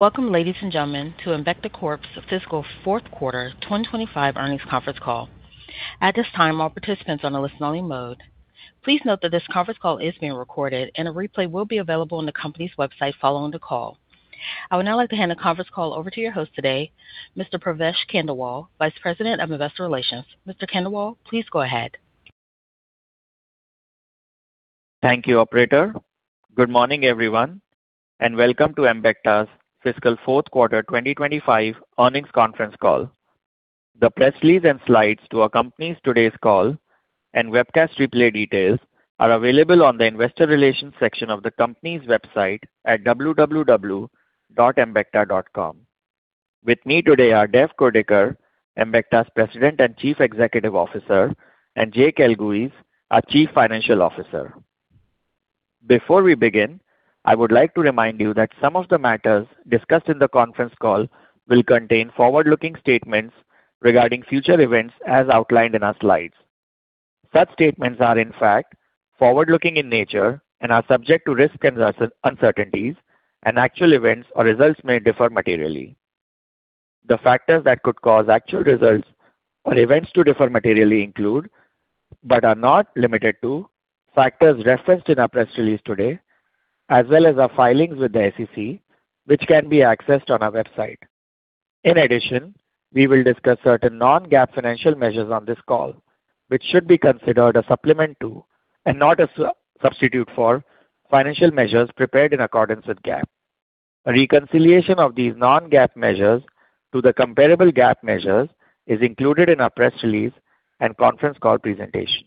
Welcome, ladies and gentlemen, to the Embecta Corp's Fiscal Fourth Quarter 2025 Earnings Conference Call. At this time, all participants are on a listen-only mode. Please note that this conference call is being recorded, and a replay will be available on the company's website following the call. I would now like to hand the conference call over to your host today, Mr. Pravesh Khandelwal, Vice President of Investor Relations. Mr. Khandelwal, please go ahead. Thank you, Operator. Good morning, everyone, and welcome to Embecta's Fiscal Fourth Quarter 2025 Earnings Conference Call. The press release and slides to accompany today's call and webcast replay details are available on the Investor Relations section of the company's website at www.embecta.com. With me today are Dev Kurdikar, Embecta's President and Chief Executive Officer, and Jake Elguicze, our Chief Financial Officer. Before we begin, I would like to remind you that some of the matters discussed in the conference call will contain forward-looking statements regarding future events as outlined in our slides. Such statements are, in fact, forward-looking in nature and are subject to risk and uncertainties, and actual events or results may differ materially. The factors that could cause actual results or events to differ materially include, but are not limited to, factors referenced in our press release today, as well as our filings with the SEC, which can be accessed on our website. In addition, we will discuss certain non-GAAP financial measures on this call, which should be considered a supplement to and not a substitute for financial measures prepared in accordance with GAAP. A reconciliation of these non-GAAP measures to the comparable GAAP measures is included in our press release and conference call presentation.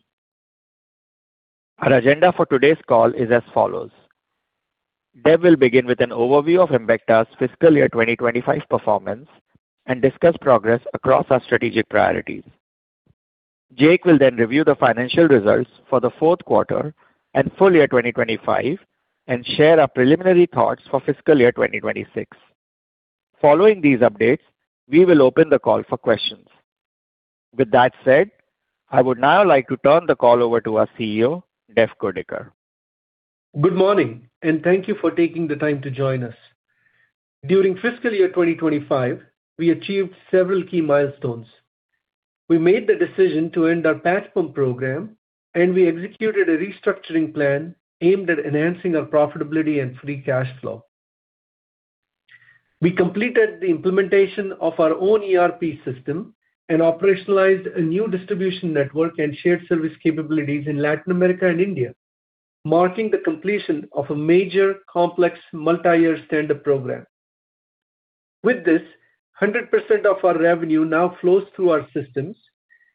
Our agenda for today's call is as follows. Dev will begin with an overview of Embecta's Fiscal Year 2025 Performance and discuss progress across our strategic priorities. Jake will then review the financial results for the Fourth Quarter and Full Year 2025 and share our preliminary thoughts for Fiscal Year 2026. Following these updates, we will open the call for questions. With that said, I would now like to turn the call over to our CEO, Dev Kurdikar. Good morning, and thank you for taking the time to join us. During Fiscal Year 2025, we achieved several key milestones. We made the decision to end our Patch Pump Program, and we executed a restructuring plan aimed at enhancing our profitability and free cash flow. We completed the implementation of our own ERP system and operationalized a new distribution network and shared service capabilities in Latin America and India, marking the completion of a major complex multi-year stand-up program. With this, 100% of our revenue now flows through our systems,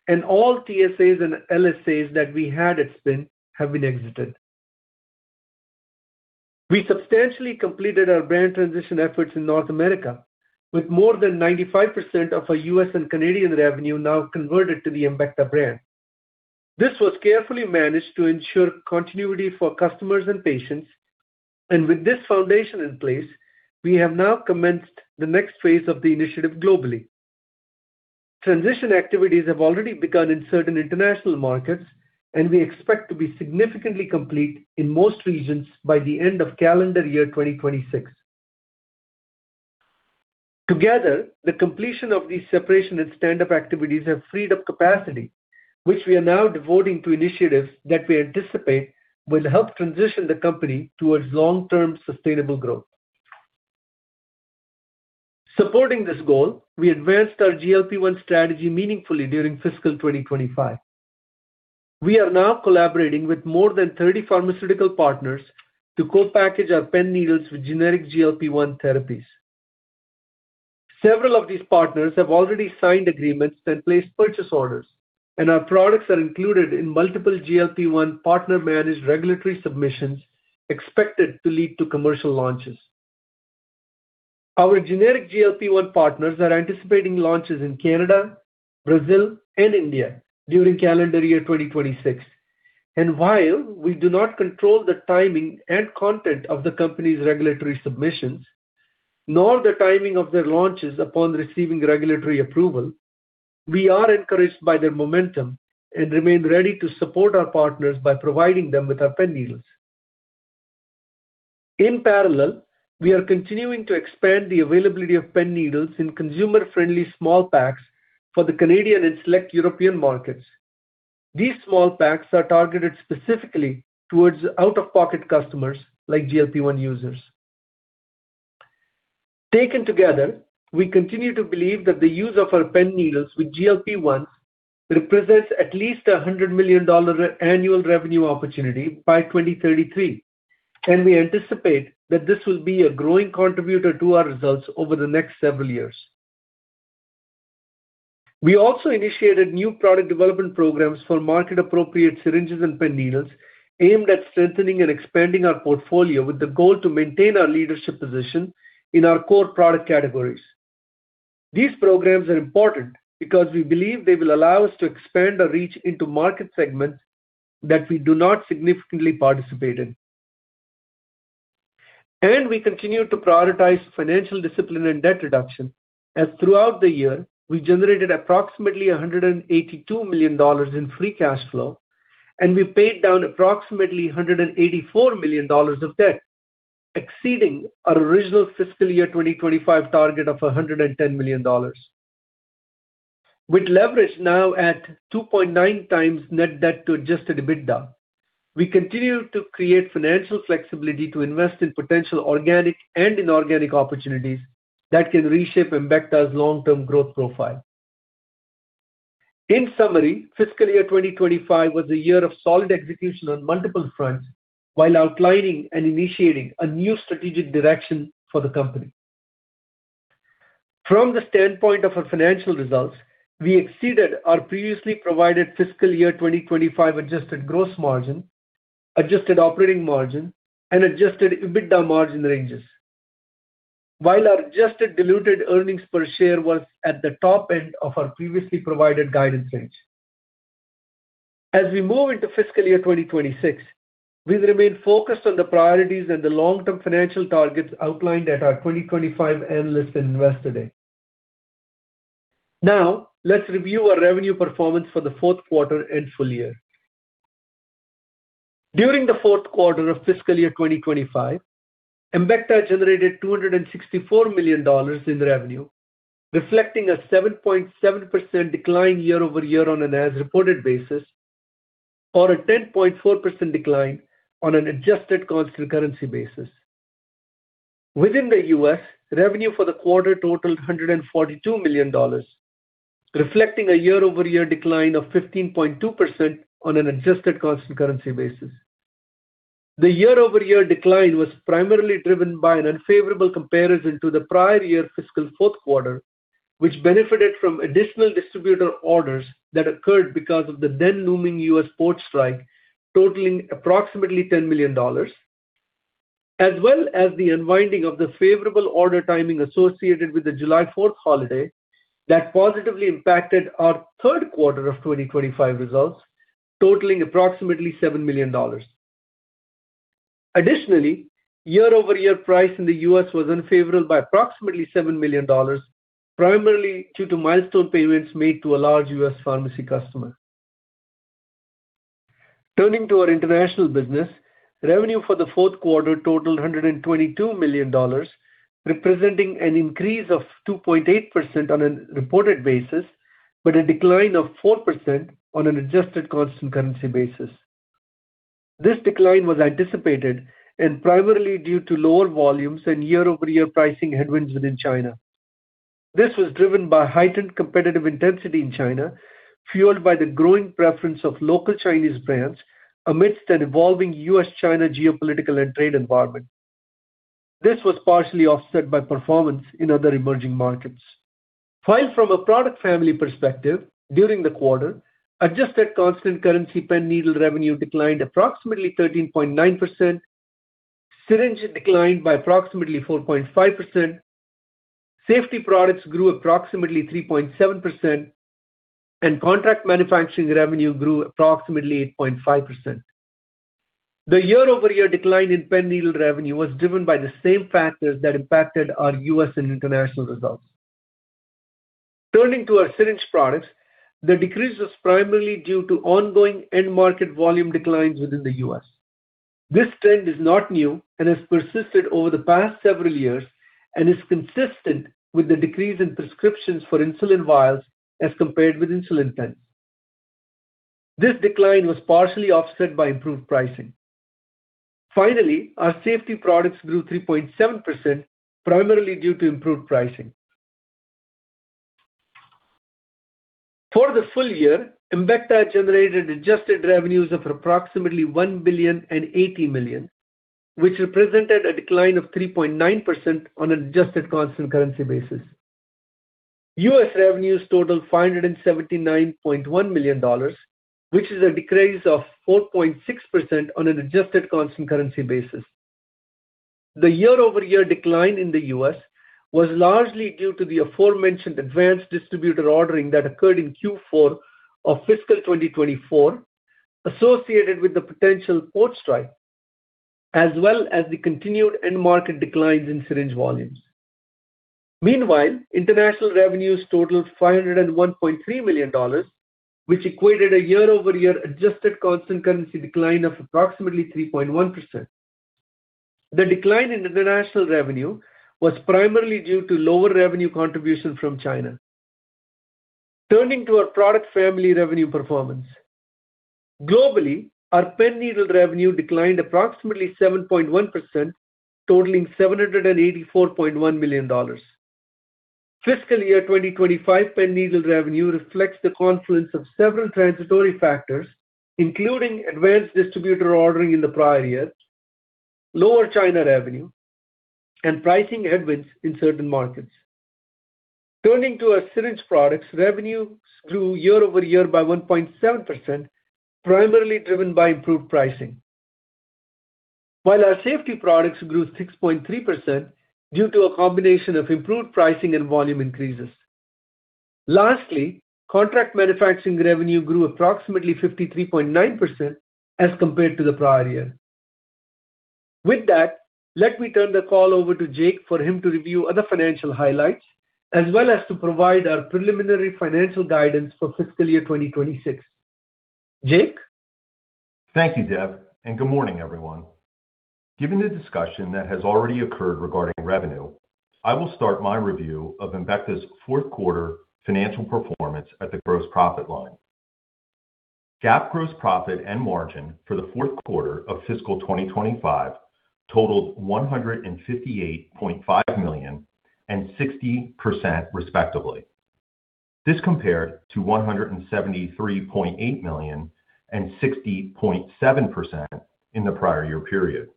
and all TSAs and LSAs that we had at spin have been exited. We substantially completed our brand transition efforts in North America, with more than 95% of our U.S. and Canadian revenue now converted to the Embecta brand. This was carefully managed to ensure continuity for customers and patients, and with this foundation in place, we have now commenced the next phase of the initiative globally. Transition activities have already begun in certain international markets, and we expect to be significantly complete in most regions by the end of Calendar Year 2026. Together, the completion of these separation and stand-up activities have freed up capacity, which we are now devoting to initiatives that we anticipate will help transition the company towards long-term sustainable growth. Supporting this goal, we advanced our GLP-1 strategy meaningfully during Fiscal 2025. We are now collaborating with more than 30 pharmaceutical partners to co-package our pen needles with generic GLP-1 therapies. Several of these partners have already signed agreements and placed purchase orders, and our products are included in multiple GLP-1 partner-managed regulatory submissions expected to lead to commercial launches. Our generic GLP-1 partners are anticipating launches in Canada, Brazil, and India during Calendar Year 2026. While we do not control the timing and content of the company's regulatory submissions, nor the timing of their launches upon receiving regulatory approval, we are encouraged by their momentum and remain ready to support our partners by providing them with our pen needles. In parallel, we are continuing to expand the availability of pen needles in consumer-friendly small packs for the Canadian and select European markets. These small packs are targeted specifically towards out-of-pocket customers like GLP-1 users. Taken together, we continue to believe that the use of our pen needles with GLP-1s represents at least a $100 million annual revenue opportunity by 2033, and we anticipate that this will be a growing contributor to our results over the next several years. We also initiated new product development programs for market-appropriate syringes and pen needles aimed at strengthening and expanding our portfolio with the goal to maintain our leadership position in our core product categories. These programs are important because we believe they will allow us to expand our reach into market segments that we do not significantly participate in. We continue to prioritize financial discipline and debt reduction, as throughout the year, we generated approximately $182 million in free cash flow, and we paid down approximately $184 million of debt, exceeding our original Fiscal Year 2025 target of $110 million. With leverage now at 2.9 times net debt to adjusted EBITDA, we continue to create financial flexibility to invest in potential organic and inorganic opportunities that can reshape Embecta's long-term growth profile. In summary, Fiscal Year 2025 was a year of solid execution on multiple fronts while outlining and initiating a new strategic direction for the company. From the standpoint of our financial results, we exceeded our previously provided Fiscal Year 2025 adjusted gross margin, adjusted operating margin, and adjusted EBITDA margin ranges, while our adjusted diluted earnings per share was at the top end of our previously provided guidance range. As we move into Fiscal Year 2026, we remain focused on the priorities and the long-term financial targets outlined at our 2025 Analyst and Investor Day. Now, let's review our revenue performance for the Fourth Quarter and Full Year. During the Fourth Quarter of Fiscal Year 2025, Embecta generated $264 million in revenue, reflecting a 7.7% decline year-over-year on an as-reported basis or a 10.4% decline on an adjusted cost and currency basis. Within the U.S., revenue for the quarter totaled $142 million, reflecting a year-over-year decline of 15.2% on an adjusted cost and currency basis. The year-over-year decline was primarily driven by an unfavorable comparison to the prior year Fiscal Fourth Quarter, which benefited from additional distributor orders that occurred because of the then looming U.S. port strike, totaling approximately $10 million, as well as the unwinding of the favorable order timing associated with the July 4 holiday that positively impacted our Third Quarter of 2025 results, totaling approximately $7 million. Additionally, year-over-year price in the U.S. was unfavorable by approximately $7 million, primarily due to milestone payments made to a large U.S. pharmacy customer. Turning to our international business, revenue for the Fourth Quarter totaled $122 million, representing an increase of 2.8% on a reported basis, but a decline of 4% on an adjusted cost and currency basis. This decline was anticipated primarily due to lower volumes and year-over-year pricing headwinds within China. This was driven by heightened competitive intensity in China, fueled by the growing preference of local Chinese brands amidst an evolving U.S.-China geopolitical and trade environment. This was partially offset by performance in other emerging markets. While from a product family perspective, during the quarter, adjusted cost and currency pen needle revenue declined approximately 13.9%, syringe declined by approximately 4.5%, safety products grew approximately 3.7%, and contract manufacturing revenue grew approximately 8.5%. The year-over-year decline in pen needle revenue was driven by the same factors that impacted our U.S. and international results. Turning to our syringe products, the decrease was primarily due to ongoing end-market volume declines within the U.S. This trend is not new and has persisted over the past several years and is consistent with the decrease in prescriptions for insulin vials as compared with insulin pens. This decline was partially offset by improved pricing. Finally, our safety products grew 3.7%, primarily due to improved pricing. For the full year, Embecta generated adjusted revenues of approximately $1 billion and $80 million, which represented a decline of 3.9% on an adjusted cost and currency basis. U.S. revenues totaled $579.1 million, which is a decrease of 4.6% on an adjusted cost and currency basis. The year-over-year decline in the U.S. was largely due to the aforementioned advanced distributor ordering that occurred in Q4 of Fiscal 2024, associated with the potential port strike, as well as the continued end-market declines in syringe volumes. Meanwhile, international revenues totaled $501.3 million, which equated a year-over-year adjusted cost and currency decline of approximately 3.1%. The decline in international revenue was primarily due to lower revenue contribution from China. Turning to our product family revenue performance, globally, our pen needle revenue declined approximately 7.1%, totaling $784.1 million. Fiscal Year 2025 pen needle revenue reflects the confluence of several transitory factors, including advanced distributor ordering in the prior year, lower China revenue, and pricing headwinds in certain markets. Turning to our syringe products, revenues grew year-over-year by 1.7%, primarily driven by improved pricing, while our safety products grew 6.3% due to a combination of improved pricing and volume increases. Lastly, contract manufacturing revenue grew approximately 53.9% as compared to the prior year. With that, let me turn the call over to Jake for him to review other financial highlights, as well as to provide our preliminary financial guidance for Fiscal Year 2026. Jake. Thank you, Dev, and good morning, everyone. Given the discussion that has already occurred regarding revenue, I will start my review of Embecta's Fourth Quarter Financial Performance at the gross profit line. GAAP gross profit and margin for the Fourth Quarter of Fiscal 2025 totaled $158.5 million and 60%, respectively. This compared to $173.8 million and 60.7% in the prior year period.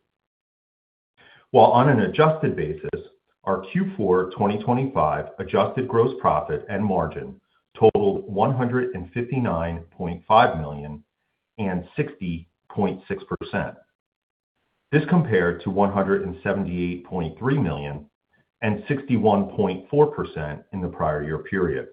While on an adjusted basis, our Q4 2025 adjusted gross profit and margin totaled $159.5 million and 60.6%. This compared to $178.3 million and 61.4% in the prior year period.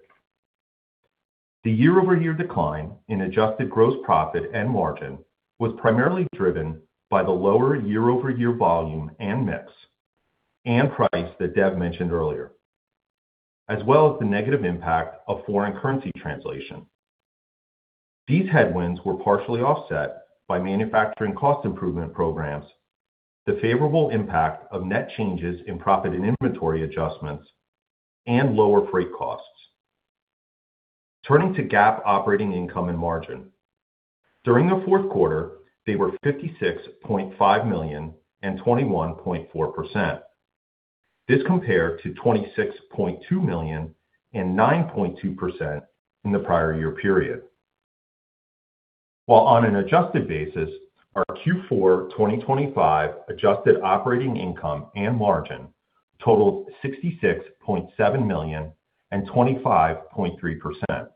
The year-over-year decline in adjusted gross profit and margin was primarily driven by the lower year-over-year volume and mix and price that Dev mentioned earlier, as well as the negative impact of foreign currency translation. These headwinds were partially offset by manufacturing cost improvement programs, the favorable impact of net changes in profit and inventory adjustments, and lower freight costs. Turning to GAAP operating income and margin, during the Fourth Quarter, they were $56.5 million and 21.4%. This compared to $26.2 million and 9.2% in the prior year period. While on an adjusted basis, our Q4 2025 adjusted operating income and margin totaled $66.7 million and 25.3%.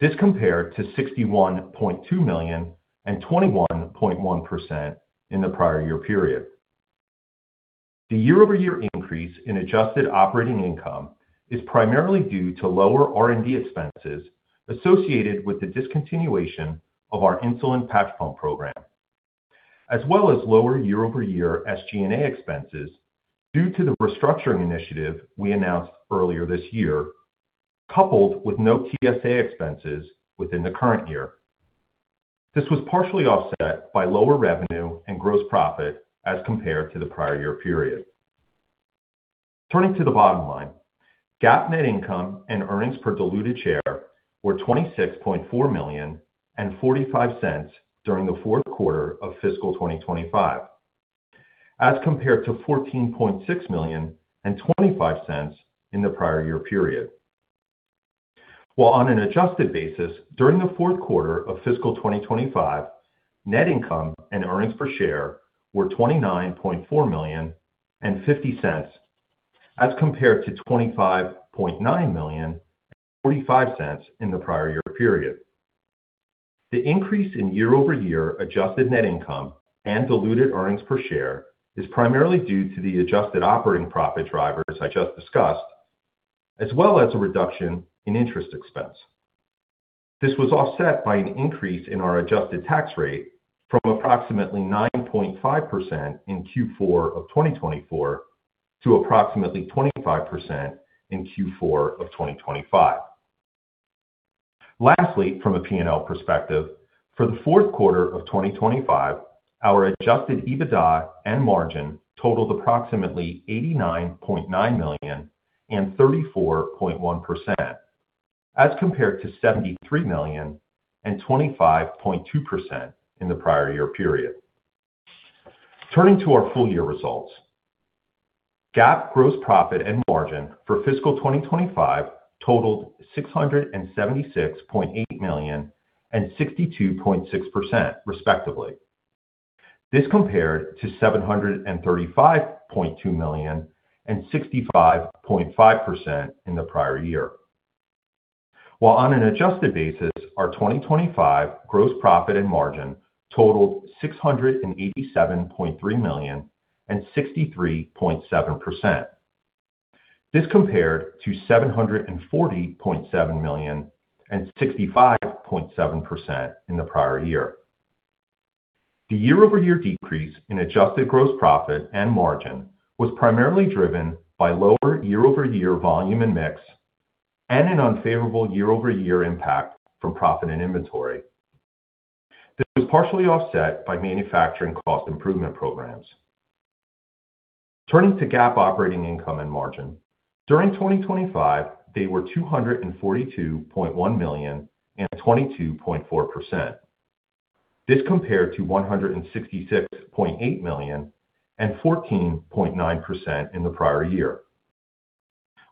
This compared to $61.2 million and 21.1% in the prior year period. The year-over-year increase in adjusted operating income is primarily due to lower R&D expenses associated with the discontinuation of our Insulin Patch Pump Program, as well as lower year-over-year SG&A expenses due to the restructuring initiative we announced earlier this year, coupled with no TSA expenses within the current year. This was partially offset by lower revenue and gross profit as compared to the prior year period. Turning to the bottom line, GAAP net income and earnings per diluted share were $26.4 million and $0.45 during the Fourth Quarter of Fiscal 2025, as compared to $14.6 million and $0.25 in the prior year period. While on an adjusted basis, during the Fourth Quarter of Fiscal 2025, net income and earnings per share were $29.4 million and $0.50, as compared to $25.9 million and $0.45 in the prior year period. The increase in year-over-year adjusted net income and diluted earnings per share is primarily due to the adjusted operating profit drivers I just discussed, as well as a reduction in interest expense. This was offset by an increase in our adjusted tax rate from approximately 9.5% in Q4 of 2024 to approximately 25% in Q4 of 2025. Lastly, from a P&L perspective, for the Fourth Quarter of 2025, our adjusted EBITDA and margin totaled approximately $89.9 million and 34.1%, as compared to $73 million and 25.2% in the prior year period. Turning to our full year results, GAAP gross profit and margin for Fiscal 2025 totaled $676.8 million and 62.6%, respectively. This compared to $735.2 million and 65.5% in the prior year. While on an adjusted basis, our 2025 gross profit and margin totaled $687.3 million and 63.7%. This compared to $740.7 million and 65.7% in the prior year. The year-over-year decrease in adjusted gross profit and margin was primarily driven by lower year-over-year volume and mix and an unfavorable year-over-year impact from profit and inventory. This was partially offset by manufacturing cost improvement programs. Turning to GAAP operating income and margin, during 2025, they were $242.1 million and 22.4%. This compared to $166.8 million and 14.9% in the prior year.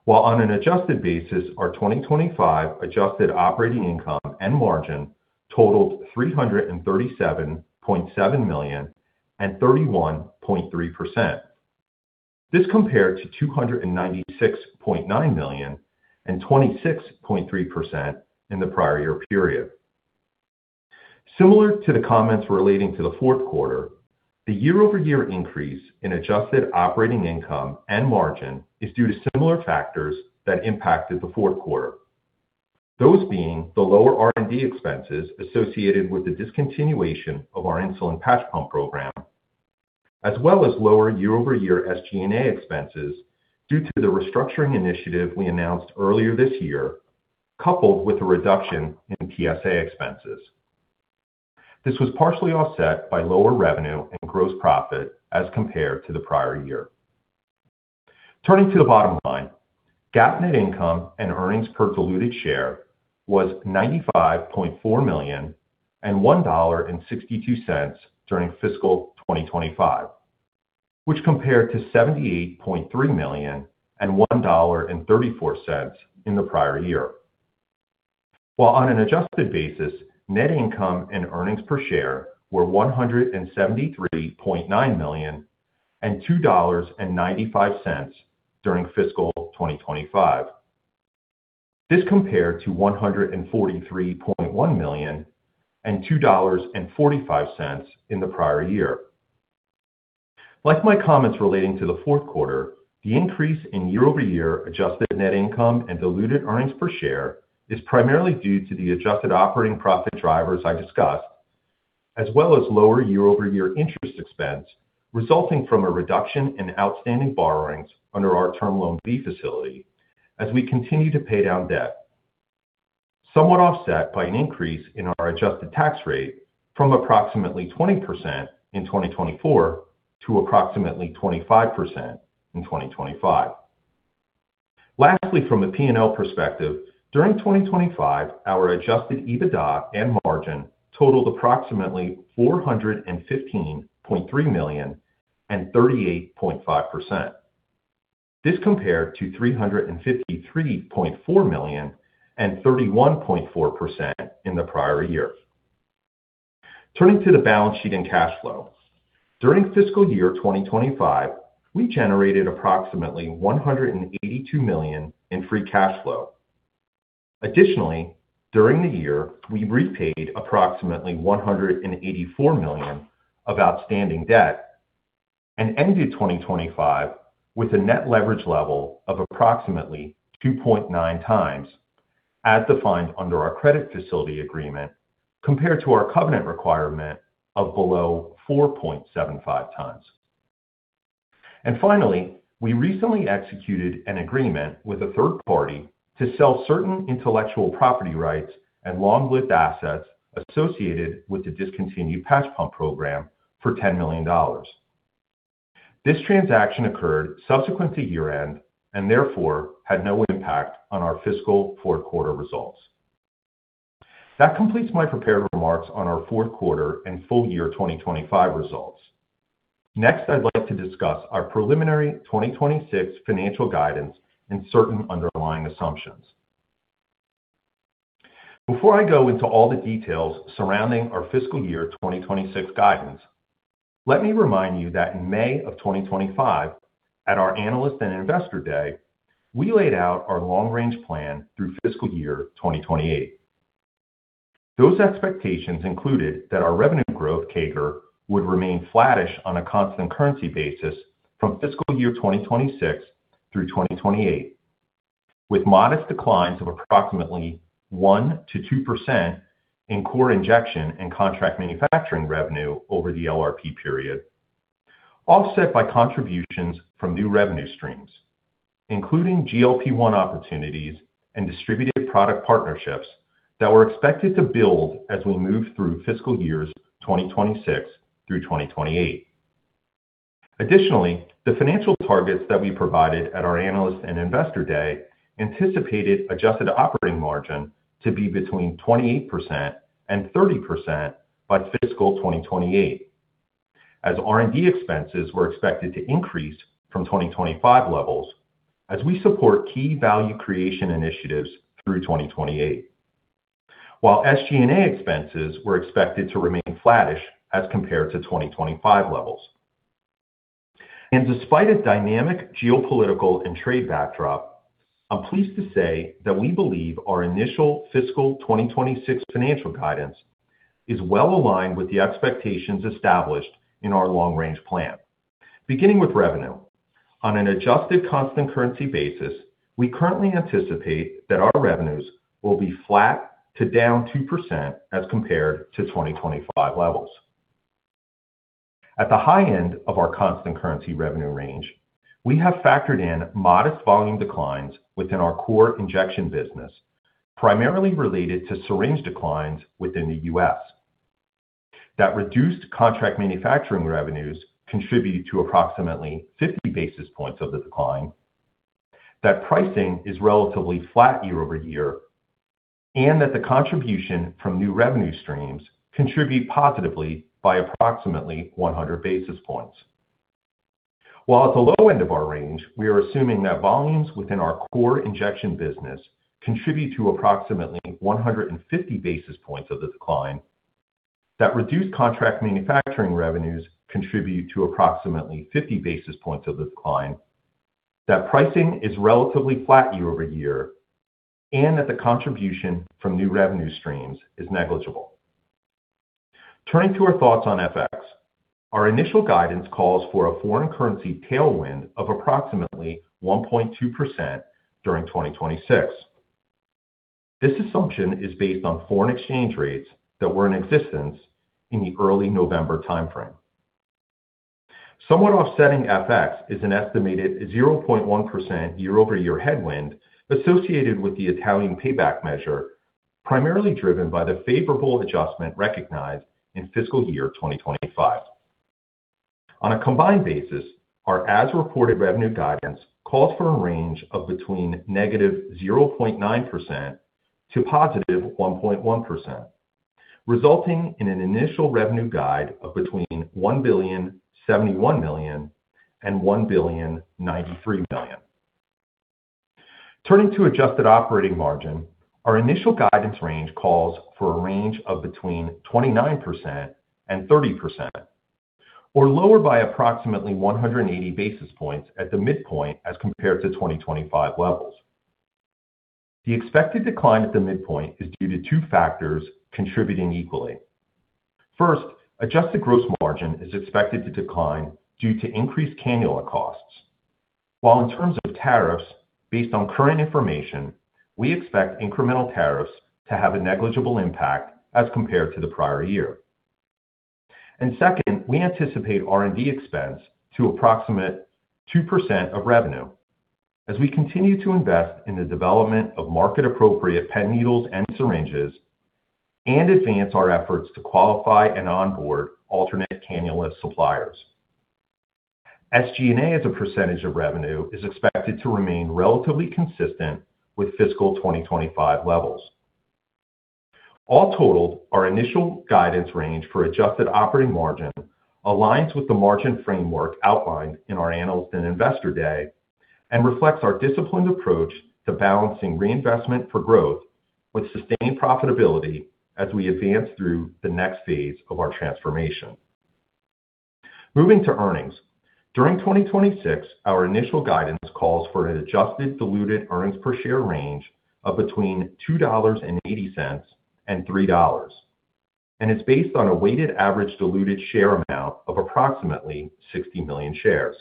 While on an adjusted basis, our 2025 adjusted operating income and margin totaled $337.7 million and 31.3%. This compared to $296.9 million and 26.3% in the prior year period. Similar to the comments relating to the Fourth Quarter, the year-over-year increase in adjusted operating income and margin is due to similar factors that impacted the Fourth Quarter, those being the lower R&D expenses associated with the discontinuation of our Insulin Patch Pump Program, as well as lower year-over-year SG&A expenses due to the restructuring initiative we announced earlier this year, coupled with a reduction in TSA expenses. This was partially offset by lower revenue and gross profit as compared to the prior year. Turning to the bottom line, GAAP net income and earnings per diluted share was $95.4 million and $1.62 during Fiscal 2025, which compared to $78.3 million and $1.34 in the prior year. While on an adjusted basis, net income and earnings per share were $173.9 million and $2.95 during Fiscal 2025. This compared to $143.1 million and $2.45 in the prior year. Like my comments relating to the Fourth Quarter, the increase in year-over-year adjusted net income and diluted earnings per share is primarily due to the adjusted operating profit drivers I discussed, as well as lower year-over-year interest expense resulting from a reduction in outstanding borrowings under our Term Loan B Facility as we continue to pay down debt, somewhat offset by an increase in our adjusted tax rate from approximately 20% in 2024 to approximately 25% in 2025. Lastly, from a P&L perspective, during 2025, our adjusted EBITDA and margin totaled approximately $415.3 million and 38.5%. This compared to $353.4 million and 31.4% in the prior year. Turning to the balance sheet and cash flow, during Fiscal Year 2025, we generated approximately $182 million in free cash flow. Additionally, during the year, we repaid approximately $184 million of outstanding debt and ended 2025 with a net leverage level of approximately 2.9 times, as defined under our Credit Facility Agreement, compared to our covenant requirement of below 4.75 times. Finally, we recently executed an agreement with a third party to sell certain intellectual property rights and long-lived assets associated with the discontinued Patch Pump Program for $10 million. This transaction occurred subsequent to year-end and therefore had no impact on our Fiscal Fourth Quarter results. That completes my prepared remarks on our Fourth Quarter and Full Year 2025 results. Next, I'd like to discuss our preliminary 2026 financial guidance and certain underlying assumptions. Before I go into all the details surrounding our Fiscal Year 2026 guidance, let me remind you that in May of 2025, at our Analyst and Investor Day, we laid out our long-range plan through Fiscal Year 2028. Those expectations included that our revenue growth CAGR would remain flattish on a constant currency basis from Fiscal Year 2026 through 2028, with modest declines of approximately 1%-2% in core injection and contract manufacturing revenue over the LRP period, offset by contributions from new revenue streams, including GLP-1 opportunities and distributed product partnerships that were expected to build as we move through Fiscal Years 2026 through 2028. Additionally, the financial targets that we provided at our Analyst and Investor Day anticipated adjusted operating margin to be between 28% and 30% by Fiscal 2028, as R&D expenses were expected to increase from 2025 levels as we support key value creation initiatives through 2028, while SG&A expenses were expected to remain flattish as compared to 2025 levels. Despite a dynamic geopolitical and trade backdrop, I'm pleased to say that we believe our initial Fiscal 2026 financial guidance is well aligned with the expectations established in our long-range plan. Beginning with revenue, on an adjusted cost and currency basis, we currently anticipate that our revenues will be flat to down 2% as compared to 2025 levels. At the high end of our constant currency revenue range, we have factored in modest volume declines within our core injection business, primarily related to syringe declines within the U.S. That reduced contract manufacturing revenues contribute to approximately 50 basis points of the decline, that pricing is relatively flat year-over-year, and that the contribution from new revenue streams contribute positively by approximately 100 basis points. While at the low end of our range, we are assuming that volumes within our core injection business contribute to approximately 150 basis points of the decline, that reduced contract manufacturing revenues contribute to approximately 50 basis points of the decline, that pricing is relatively flat year-over-year, and that the contribution from new revenue streams is negligible. Turning to our thoughts on FX, our initial guidance calls for a foreign currency tailwind of approximately 1.2% during 2026. This assumption is based on foreign exchange rates that were in existence in the early November timeframe. Somewhat offsetting FX is an estimated 0.1% year-over-year headwind associated with the Italian payback measure, primarily driven by the favorable adjustment recognized in Fiscal Year 2025. On a combined basis, our as-reported revenue guidance calls for a range of between -0.9% and 1.1%, resulting in an initial revenue guide of between $1,071 million and $1,093 million. Turning to adjusted operating margin, our initial guidance range calls for a range of between 29% and 30%, or lower by approximately 180 basis points at the midpoint as compared to 2025 levels. The expected decline at the midpoint is due to two factors contributing equally. First, adjusted gross margin is expected to decline due to increased cannula costs. While in terms of tariffs, based on current information, we expect incremental tariffs to have a negligible impact as compared to the prior year. We anticipate R&D expense to approximate 2% of revenue as we continue to invest in the development of market-appropriate pen needles and syringes and advance our efforts to qualify and onboard alternate cannula suppliers. SG&A as a percentage of revenue is expected to remain relatively consistent with Fiscal 2025 levels. All totaled, our initial guidance range for adjusted operating margin aligns with the margin framework outlined in our Analyst and Investor Day and reflects our disciplined approach to balancing reinvestment for growth with sustained profitability as we advance through the next phase of our transformation. Moving to earnings, during 2026, our initial guidance calls for an adjusted diluted earnings per share range of between $2.80 and $3.00, and it's based on a weighted average diluted share amount of approximately 60 million shares.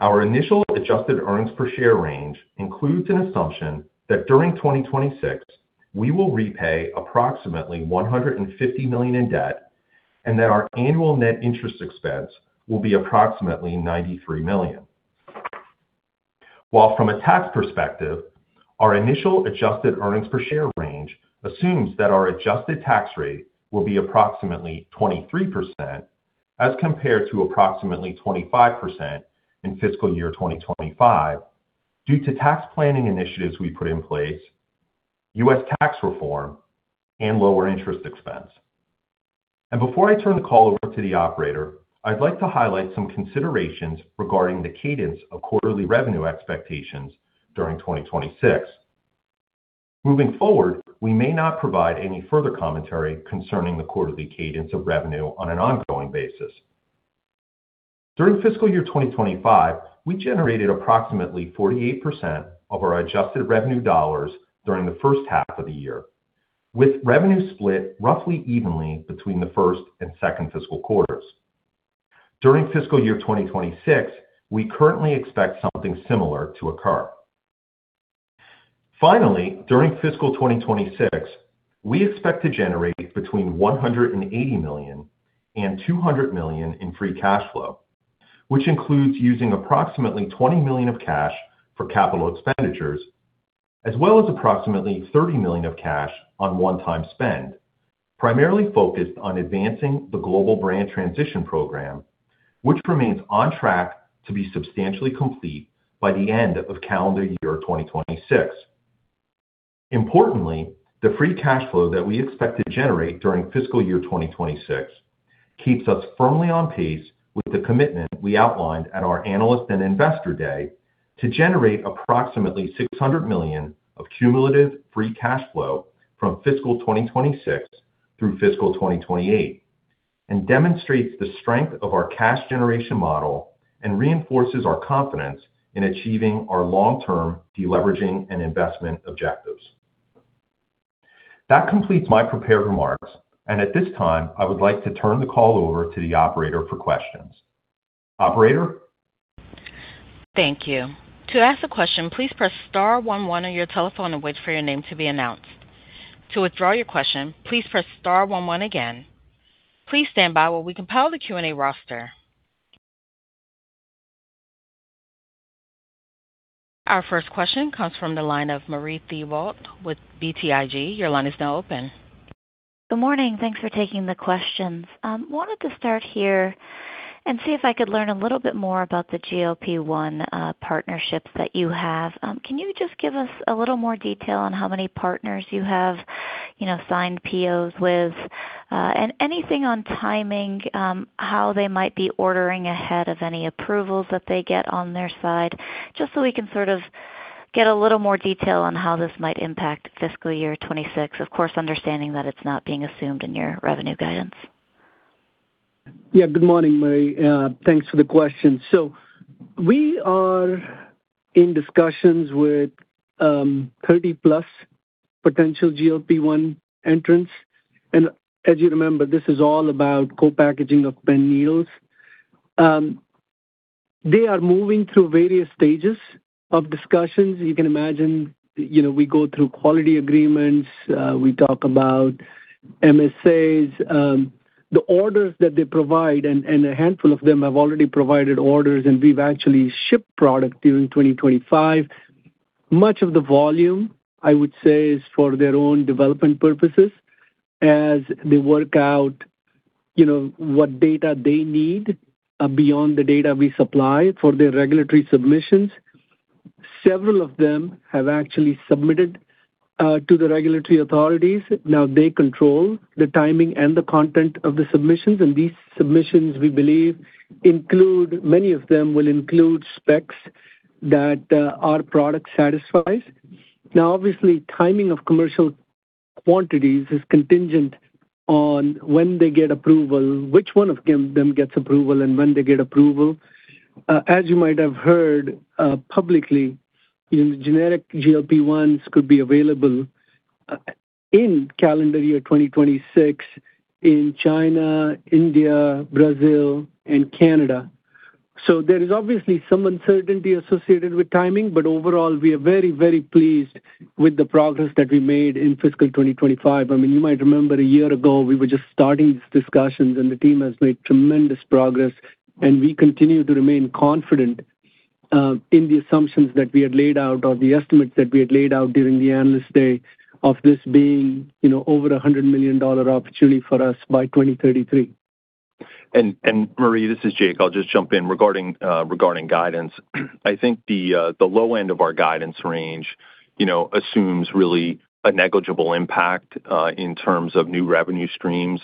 Our initial adjusted earnings per share range includes an assumption that during 2026, we will repay approximately $150 million in debt and that our annual net interest expense will be approximately $93 million. While from a tax perspective, our initial adjusted earnings per share range assumes that our adjusted tax rate will be approximately 23% as compared to approximately 25% in Fiscal Year 2025 due to tax planning initiatives we put in place, U.S. tax reform, and lower interest expense. Before I turn the call over to the Operator, I'd like to highlight some considerations regarding the cadence of quarterly revenue expectations during 2026. Moving forward, we may not provide any further commentary concerning the quarterly cadence of revenue on an ongoing basis. During Fiscal Year 2025, we generated approximately 48% of our adjusted revenue dollars during the first half of the year, with revenue split roughly evenly between the first and second fiscal quarters. During Fiscal Year 2026, we currently expect something similar to occur. Finally, during Fiscal 2026, we expect to generate between $180 million and $200 million in free cash flow, which includes using approximately $20 million of cash for capital expenditures, as well as approximately $30 million of cash on one-time spend, primarily focused on advancing the Global Brand Transition Program, which remains on track to be substantially complete by the end of Calendar Year 2026. Importantly, the free cash flow that we expect to generate during Fiscal Year 2026 keeps us firmly on pace with the commitment we outlined at our Analyst and Investor Day to generate approximately $600 million of cumulative free cash flow from Fiscal 2026 through Fiscal 2028, and demonstrates the strength of our cash generation model and reinforces our confidence in achieving our long-term deleveraging and investment objectives. That completes my prepared remarks, and at this time, I would like to turn the call over to the Operator for questions. Operator? Thank you. To ask a question, please press star one one on your telephone and wait for your name to be announced. To withdraw your question, please press star one one again. Please stand by while we compile the Q&A roster. Our first question comes from the line of Marie Thibault with BTIG. Your line is now open. Good morning. Thanks for taking the questions. I wanted to start here and see if I could learn a little bit more about the GLP-1 partnerships that you have. Can you just give us a little more detail on how many partners you have signed POs with and anything on timing, how they might be ordering ahead of any approvals that they get on their side, just so we can sort of get a little more detail on how this might impact Fiscal Year 2026, of course, understanding that it's not being assumed in your revenue guidance? Yeah. Good morning, Marie. Thanks for the question. We are in discussions with 30-plus potential GLP-1 entrants. As you remember, this is all about co-packaging of pen needles. They are moving through various stages of discussions. You can imagine we go through quality agreements. We talk about MSAs, the orders that they provide, and a handful of them have already provided orders, and we've actually shipped product during 2025. Much of the volume, I would say, is for their own development purposes as they work out what data they need beyond the data we supply for their regulatory submissions. Several of them have actually submitted to the regulatory authorities. Now, they control the timing and the content of the submissions. These submissions, we believe, include many of them will include specs that our product satisfies. Obviously, timing of commercial quantities is contingent on when they get approval, which one of them gets approval, and when they get approval. As you might have heard publicly, the generic GLP-1s could be available in Calendar Year 2026 in China, India, Brazil, and Canada. There is obviously some uncertainty associated with timing, but overall, we are very, very pleased with the progress that we made in Fiscal 2025. I mean, you might remember a year ago, we were just starting these discussions, and the team has made tremendous progress, and we continue to remain confident in the assumptions that we had laid out or the estimates that we had laid out during the analyst day of this being over $100 million opportunity for us by 2033. Marie, this is Jake. I'll just jump in regarding guidance. I think the low end of our guidance range assumes really a negligible impact in terms of new revenue streams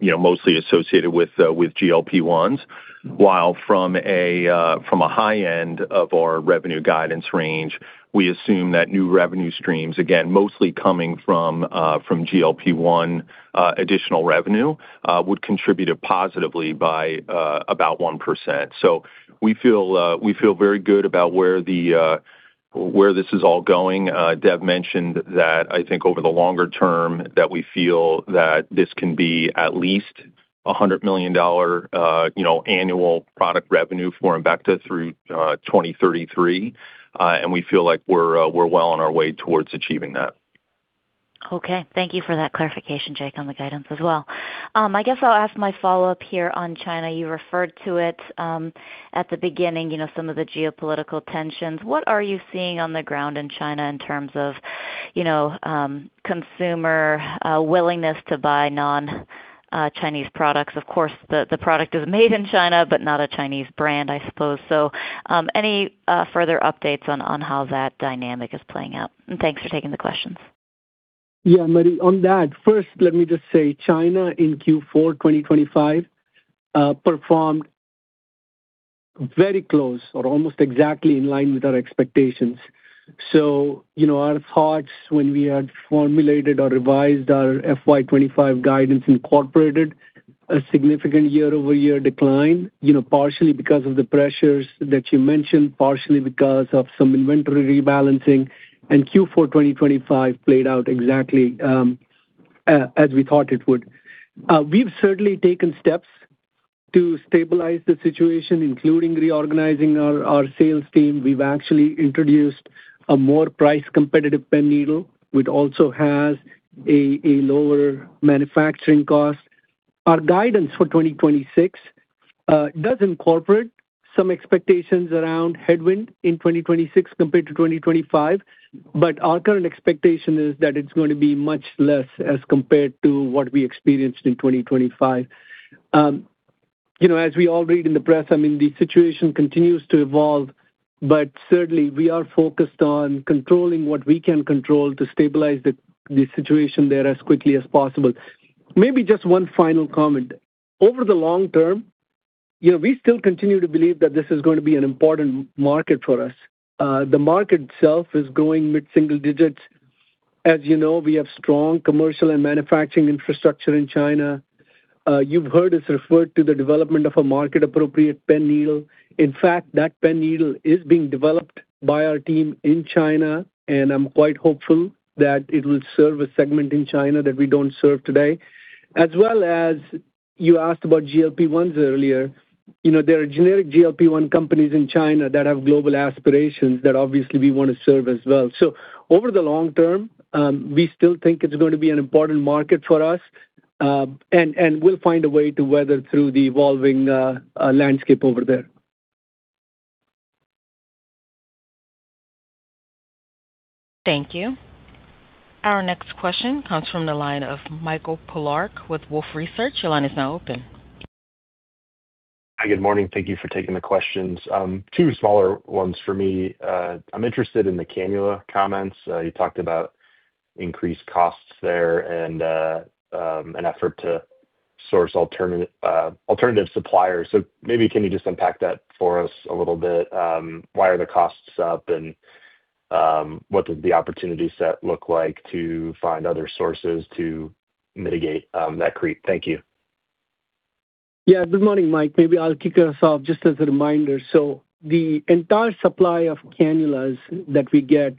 mostly associated with GLP-1s, while from a high end of our revenue guidance range, we assume that new revenue streams, again, mostly coming from GLP-1 additional revenue, would contribute positively by about 1%. We feel very good about where this is all going. Dev mentioned that over the longer term we feel that this can be at least $100 million annual product revenue for Embecta through 2033, and we feel like we're well on our way towards achieving that. Thank you for that clarification, Jake, on the guidance as well. I guess I'll ask my follow-up here on China. You referred to it at the beginning, some of the geopolitical tensions. What are you seeing on the ground in China in terms of consumer willingness to buy non-Chinese products? Of course, the product is made in China, but not a Chinese brand, I suppose. Any further updates on how that dynamic is playing out? Thanks for taking the questions. Yeah, Marie, on that, first, let me just say China in Q4 2025 performed very close or almost exactly in line with our expectations. Our thoughts when we had formulated or revised our FY25 guidance incorporated a significant year-over-year decline, partially because of the pressures that you mentioned, partially because of some inventory rebalancing, and Q4 2025 played out exactly as we thought it would. We've certainly taken steps to stabilize the situation, including reorganizing our sales team. We've actually introduced a more price-competitive pen needle, which also has a lower manufacturing cost. Our guidance for 2026 does incorporate some expectations around headwind in 2026 compared to 2025, but our current expectation is that it's going to be much less as compared to what we experienced in 2025. As we all read in the press, I mean, the situation continues to evolve, but certainly, we are focused on controlling what we can control to stabilize the situation there as quickly as possible. Maybe just one final comment. Over the long term, we still continue to believe that this is going to be an important market for us. The market itself is growing mid-single digits. As you know, we have strong commercial and manufacturing infrastructure in China. You've heard us refer to the development of a market-appropriate pen needle. In fact, that pen needle is being developed by our team in China, and I'm quite hopeful that it will serve a segment in China that we do not serve today. As well as you asked about GLP-1s earlier, there are generic GLP-1 companies in China that have global aspirations that obviously we want to serve as well. Over the long term, we still think it's going to be an important market for us, and we'll find a way to weather through the evolving landscape over there. Thank you. Our next question comes from the line of Michael Polark with Wolfe Research. Your line is now open. Hi, good morning. Thank you for taking the questions. Two smaller ones for me. I'm interested in the cannula comments. You talked about increased costs there and an effort to source alternative suppliers. Maybe can you just unpack that for us a little bit? Why are the costs up, and what does the opportunity set look like to find other sources to mitigate that creep? Thank you. Yeah. Good morning, Mike. Maybe I'll kick us off just as a reminder. The entire supply of cannulas that we get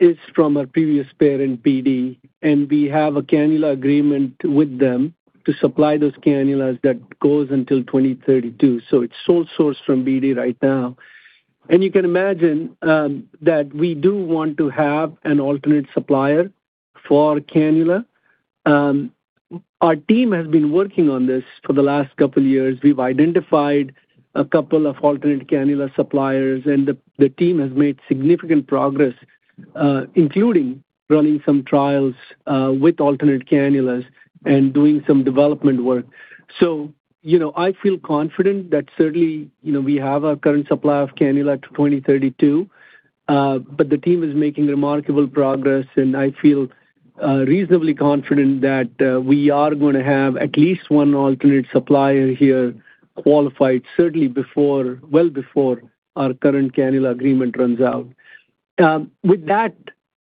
is from our previous parent, BD, and we have a cannula agreement with them to supply those cannulas that goes until 2032. It is sole source from BD right now. You can imagine that we do want to have an alternate supplier for cannula. Our team has been working on this for the last couple of years. We have identified a couple of alternate cannula suppliers, and the team has made significant progress, including running some trials with alternate cannulas and doing some development work. I feel confident that certainly we have our current supply of cannula to 2032, but the team is making remarkable progress, and I feel reasonably confident that we are going to have at least one alternate supplier here qualified certainly well before our current cannula agreement runs out. With that,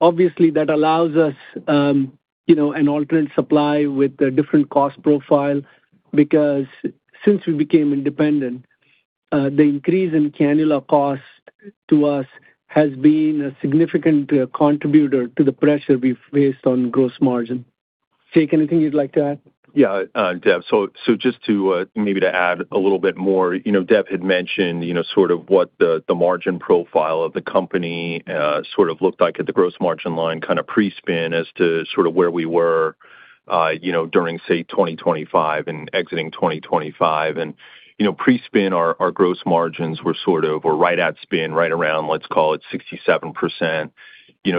obviously, that allows us an alternate supply with a different cost profile because since we became independent, the increase in cannula cost to us has been a significant contributor to the pressure we've faced on gross margin. Jake, anything you'd like to add? Yeah, Dev. Just maybe to add a little bit more, Dev had mentioned sort of what the margin profile of the company sort of looked like at the gross margin line kind of pre-spin as to sort of where we were during, say, 2025 and exiting 2025. Pre-spin, our gross margins were sort of or right at spin, right around, let's call it 67%.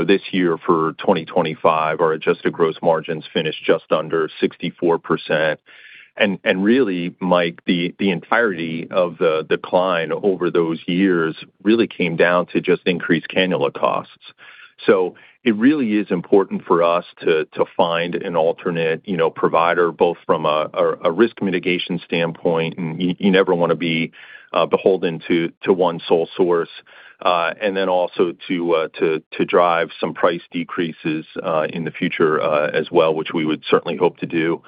This year for 2025, our adjusted gross margins finished just under 64%. Really, Mike, the entirety of the decline over those years really came down to just increased cannula costs. It really is important for us to find an alternate provider both from a risk mitigation standpoint, and you never want to be beholden to one sole source, and then also to drive some price decreases in the future as well, which we would certainly hope to do.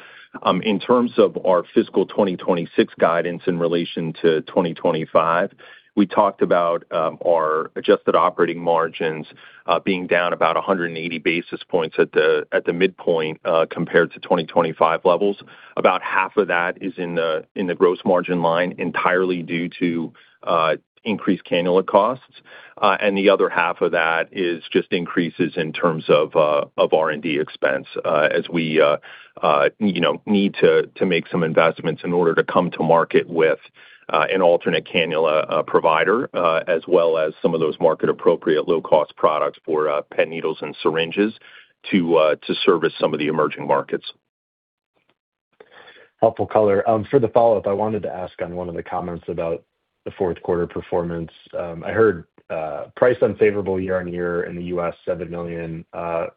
In terms of our fiscal 2026 guidance in relation to 2025, we talked about our adjusted operating margins being down about 180 basis points at the midpoint compared to 2025 levels. About half of that is in the gross margin line entirely due to increased cannula costs, and the other half of that is just increases in terms of R&D expense as we need to make some investments in order to come to market with an alternate cannula provider as well as some of those market-appropriate low-cost products for pen needles and syringes to service some of the emerging markets. Helpful color. For the follow-up, I wanted to ask on one of the comments about the fourth quarter performance. I heard price unfavorable year-on-year in the U.S., $7 million,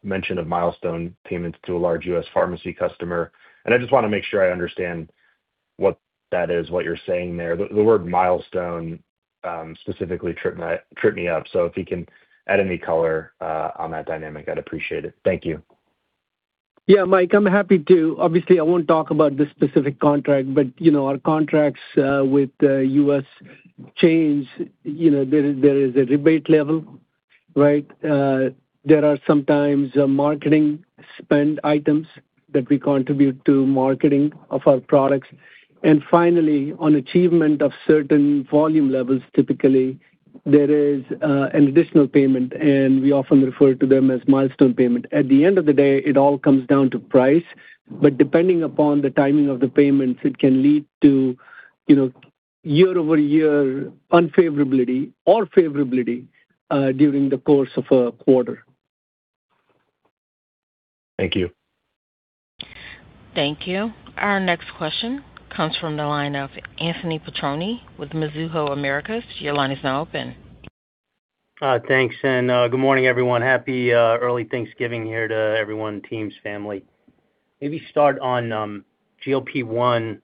mention of milestone payments to a large U.S. pharmacy customer. I just want to make sure I understand what that is, what you're saying there. The word milestone specifically tripped me up. If you can add any color on that dynamic, I'd appreciate it. Thank you. Yeah, Mike, I'm happy to. Obviously, I won't talk about this specific contract, but our contracts with the U.S. change. There is a rebate level, right? There are sometimes marketing spend items that we contribute to marketing of our products. Finally, on achievement of certain volume levels, typically, there is an additional payment, and we often refer to them as milestone payment. At the end of the day, it all comes down to price, but depending upon the timing of the payments, it can lead to year-over-year unfavorability or favorability during the course of a quarter. Thank you. Thank you. Our next question comes from the line of Anthony Petrone with Mizuho Americas. Your line is now open. Thanks. Good morning, everyone. Happy early Thanksgiving here to everyone, teams, family. Maybe start on GLP-1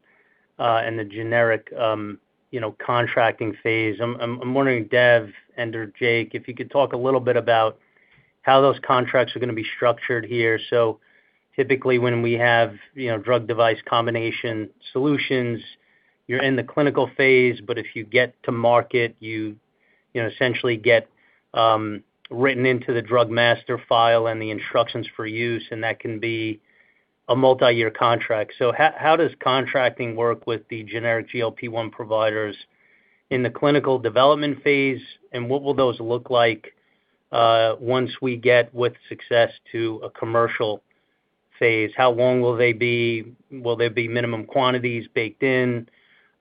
and the generic contracting phase. I'm wondering, Dev and/or Jake, if you could talk a little bit about how those contracts are going to be structured here. Typically, when we have drug-device combination solutions, you're in the clinical phase, but if you get to market, you essentially get written into the drug master file and the Instructions for Use, and that can be a multi-year contract. How does contracting work with the generic GLP-1 providers in the clinical development phase, and what will those look like once we get with success to a commercial phase? How long will they be? Will there be minimum quantities baked in?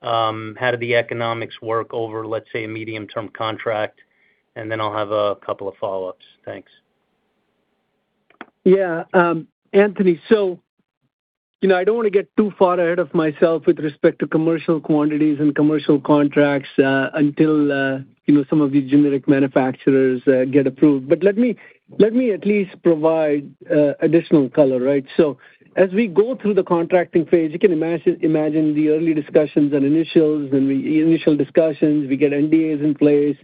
How do the economics work over, let's say, a medium-term contract? I have a couple of follow-ups. Thanks. Yeah, Anthony. I do not want to get too far ahead of myself with respect to commercial quantities and commercial contracts until some of these generic manufacturers get approved. Let me at least provide additional color, right? As we go through the contracting phase, you can imagine the early discussions and initial discussions. We get NDAs in place.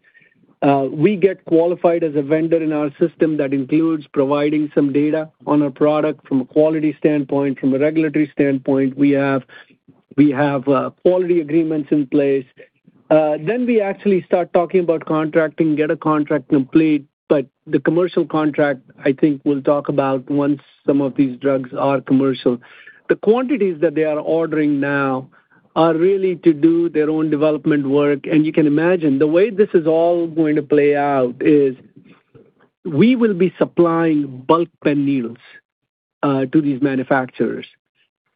We get qualified as a vendor in our system that includes providing some data on our product from a quality standpoint, from a regulatory standpoint. We have quality agreements in place. We actually start talking about contracting, get a contract complete, but the commercial contract, I think we'll talk about once some of these drugs are commercial. The quantities that they are ordering now are really to do their own development work. You can imagine the way this is all going to play out is we will be supplying bulk pen needles to these manufacturers.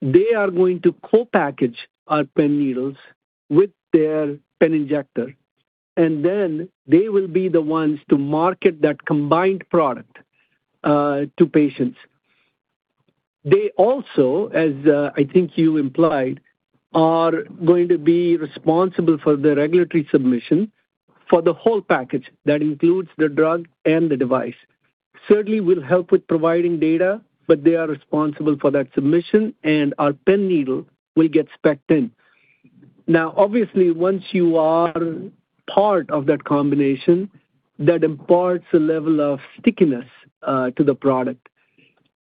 They are going to co-package our pen needles with their pen injector, and they will be the ones to market that combined product to patients. They also, as I think you implied, are going to be responsible for the regulatory submission for the whole package that includes the drug and the device. Certainly, we'll help with providing data, but they are responsible for that submission, and our pen needle will get specced in. Now, obviously, once you are part of that combination, that imparts a level of stickiness to the product.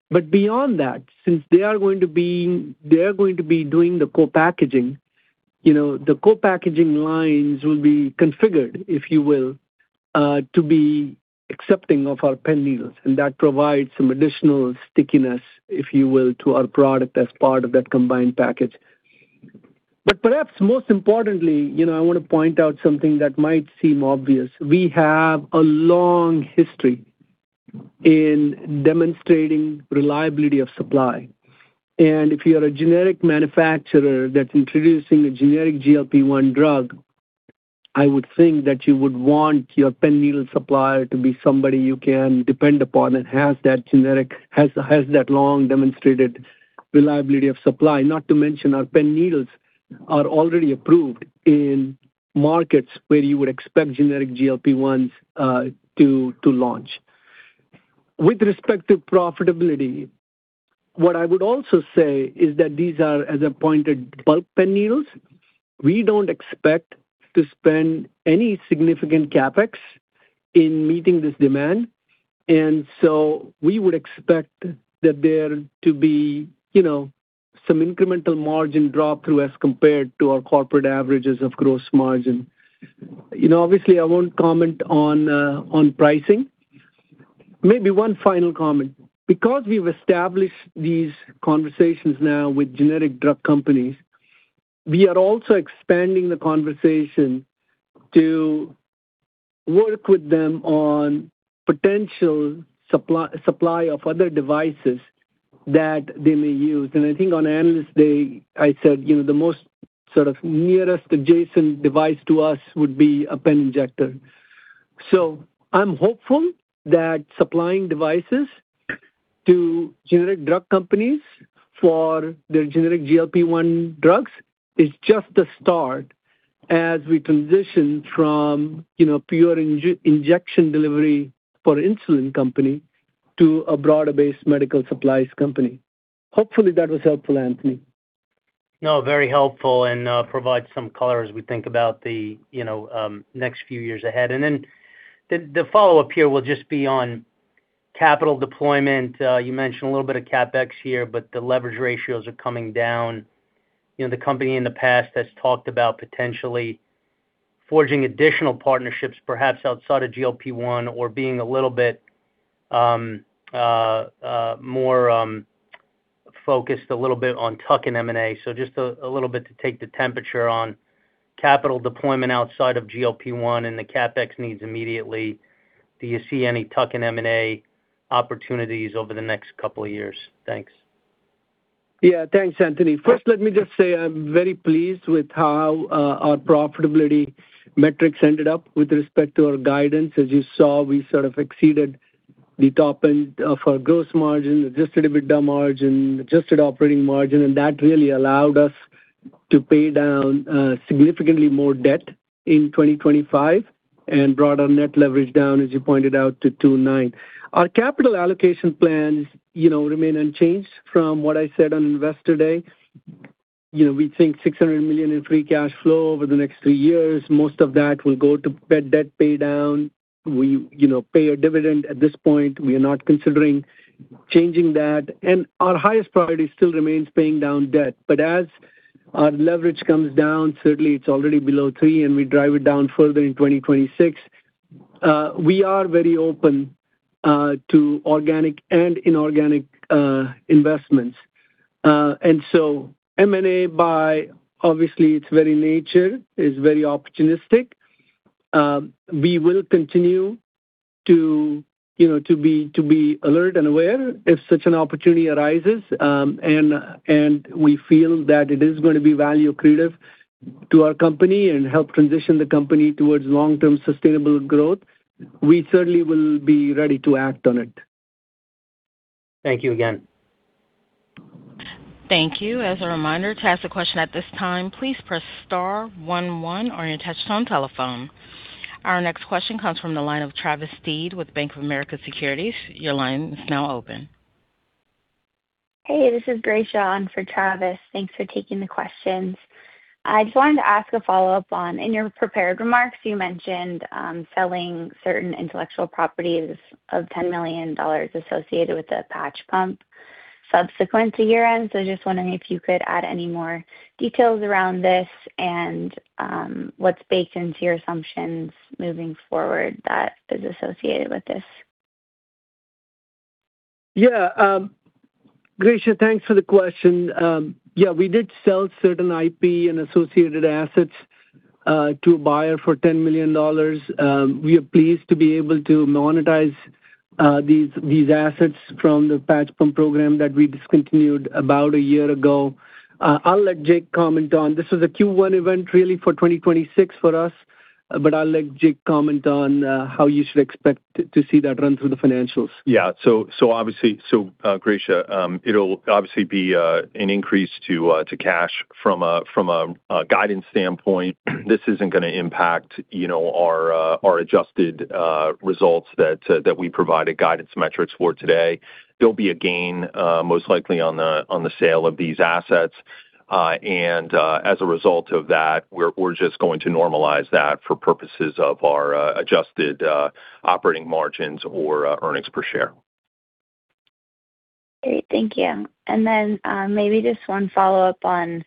Beyond that, since they are going to be doing the co-packaging, the co-packaging lines will be configured, if you will, to be accepting of our pen needles, and that provides some additional stickiness, if you will, to our product as part of that combined package. Perhaps most importantly, I want to point out something that might seem obvious. We have a long history in demonstrating reliability of supply. If you're a generic manufacturer that's introducing a generic GLP-1 drug, I would think that you would want your pen needle supplier to be somebody you can depend upon and has that long demonstrated reliability of supply. Not to mention, our pen needles are already approved in markets where you would expect generic GLP-1s to launch. With respect to profitability, what I would also say is that these are, as I pointed, bulk pen needles. We do not expect to spend any significant CapEx in meeting this demand. We would expect that there to be some incremental margin drop through as compared to our corporate averages of gross margin. Obviously, I will not comment on pricing. Maybe one final comment. Because we have established these conversations now with generic drug companies, we are also expanding the conversation to work with them on potential supply of other devices that they may use. I think on Analyst Day, I said the most sort of nearest adjacent device to us would be a pen injector. I'm hopeful that supplying devices to generic drug companies for their generic GLP-1 drugs is just the start as we transition from pure injection delivery for insulin company to a broader-based medical supplies company. Hopefully, that was helpful, Anthony. No, very helpful and provides some color as we think about the next few years ahead. The follow-up here will just be on capital deployment. You mentioned a little bit of CapEx here, but the leverage ratios are coming down. The company in the past has talked about potentially forging additional partnerships, perhaps outside of GLP-1 or being a little bit more focused a little bit on tuck-in M&A. Just a little bit to take the temperature on capital deployment outside of GLP-1 and the CapEx needs immediately. Do you see any tuck-in M&A opportunities over the next couple of years? Thanks. Yeah, thanks, Anthony. First, let me just say I'm very pleased with how our profitability metrics ended up with respect to our guidance. As you saw, we sort of exceeded the top end for gross margin, adjusted EBITDA margin, adjusted operating margin, and that really allowed us to pay down significantly more debt in 2025 and brought our net leverage down, as you pointed out, to 2.9. Our capital allocation plans remain unchanged from what I said on Investor Day. We think $600 million in free cash flow over the next three years. Most of that will go to debt pay down. We pay a dividend at this point. We are not considering changing that. Our highest priority still remains paying down debt. As our leverage comes down, certainly it's already below 3, and we drive it down further in 2026. We are very open to organic and inorganic investments. M&A by, obviously, its very nature, is very opportunistic. We will continue to be alert and aware if such an opportunity arises, and we feel that it is going to be value creative to our company and help transition the company towards long-term sustainable growth. We certainly will be ready to act on it. Thank you again. Thank you. As a reminder, to ask a question at this time, please press star one one on your touchstone telephone. Our next question comes from the line of Travis Steed with Bank of America Securities. Your line is now open. Hey, this is Grace Shawn for Travis. Thanks for taking the questions. I just wanted to ask a follow-up on, in your prepared remarks, you mentioned selling certain intellectual properties of $10 million associated with a patch pump subsequent to year-end. Just wondering if you could add any more details around this and what's baked into your assumptions moving forward that is associated with this. Yeah. Grace, thanks for the question. Yeah, we did sell certain IP and associated assets to a buyer for $10 million. We are pleased to be able to monetize these assets from the Patch Pump Program that we discontinued about a year ago. I'll let Jake comment on. This was a Q1 event really for 2026 for us, but I'll let Jake comment on how you should expect to see that run through the financials. Yeah. Grace, it'll obviously be an increase to cash from a guidance standpoint. This isn't going to impact our adjusted results that we provided guidance metrics for today. There'll be a gain most likely on the sale of these assets. As a result of that, we're just going to normalize that for purposes of our adjusted operating margins or earnings per share. Great. Thank you. Maybe just one follow-up on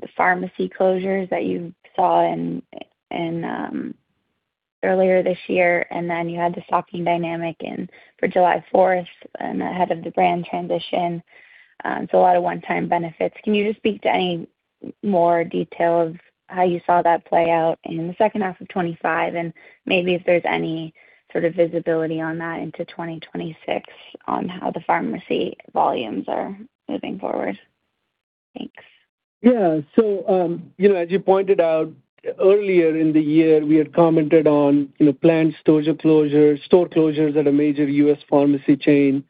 the pharmacy closures that you saw earlier this year. You had the stocking dynamic for July 4th and ahead of the brand transition. A lot of one-time benefits. Can you just speak to any more detail of how you saw that play out in the second half of 2025? Maybe if there's any sort of visibility on that into 2026 on how the pharmacy volumes are moving forward. Thanks. Yeah. As you pointed out earlier in the year, we had commented on planned store closures at a major U.S. pharmacy chain.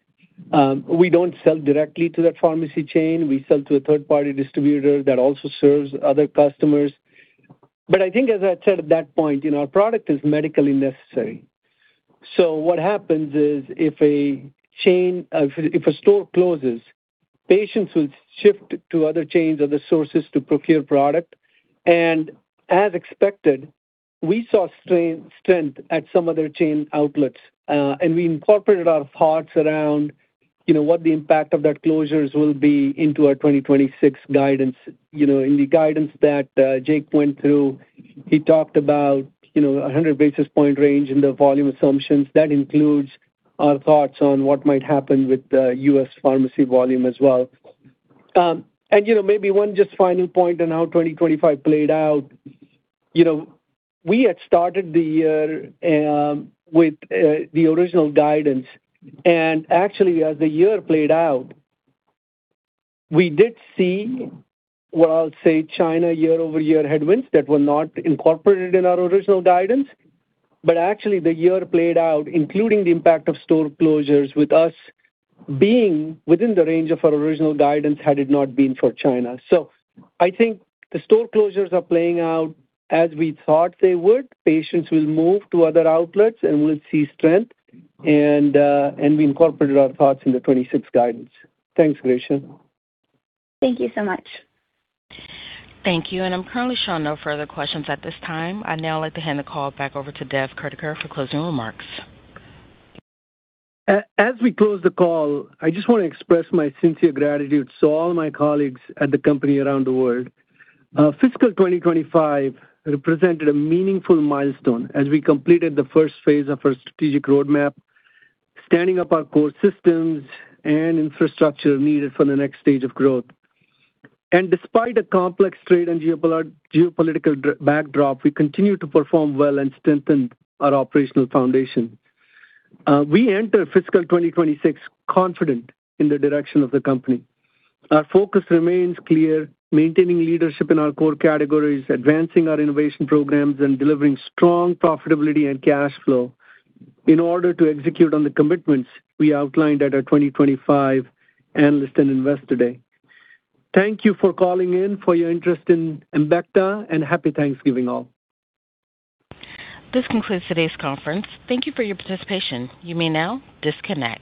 We don't sell directly to that pharmacy chain. We sell to a third-party distributor that also serves other customers. I think, as I said at that point, our product is medically necessary. What happens is if a chain, if a store closes, patients will shift to other chains, other sources to procure product. As expected, we saw strength at some other chain outlets. We incorporated our thoughts around what the impact of that closures will be into our 2026 guidance. In the guidance that Jake went through, he talked about a 100 basis point range in the volume assumptions. That includes our thoughts on what might happen with the U.S. pharmacy volume as well. Maybe one just final point on how 2025 played out. We had started the year with the original guidance. Actually, as the year played out, we did see what I'll say China year-over-year headwinds that were not incorporated in our original guidance. Actually, the year played out, including the impact of store closures with us being within the range of our original guidance had it not been for China. I think the store closures are playing out as we thought they would. Patients will move to other outlets and we'll see strength. We incorporated our thoughts in the 2026 guidance. Thanks, Grace. Thank you so much. Thank you. I'm currently showing no further questions at this time. I'd now like to hand the call back over to Dev Kurdikar for closing remarks. As we close the call, I just want to express my sincere gratitude to all my colleagues at the company around the world. Fiscal 2025 represented a meaningful milestone as we completed the first phase of our strategic roadmap, standing up our core systems and infrastructure needed for the next stage of growth. Despite a complex trade and geopolitical backdrop, we continue to perform well and strengthen our operational foundation. We enter fiscal 2026 confident in the direction of the company. Our focus remains clear, maintaining leadership in our core categories, advancing our innovation programs, and delivering strong profitability and cash flow in order to execute on the commitments we outlined at our 2025 Analyst and Investor Day. Thank you for calling in, for your interest in Embecta, and happy Thanksgiving all. This concludes today's conference. Thank you for your participation. You may now disconnect.